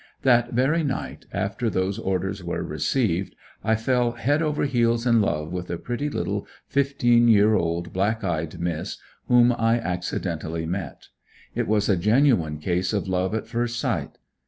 That very night, after those orders were received, I fell head over heels in love with a pretty little fifteen year old, black eyed miss, whom I accidently met. It was a genuine case of love at first sight.